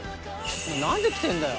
「何で来てんだよ？」